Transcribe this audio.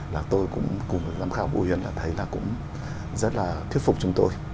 là tôi cũng cũng rất là thuyết phục chúng tôi